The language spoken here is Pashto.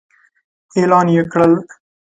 اعلان يې کړل.